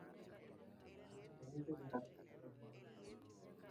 Jaricho dak go tek.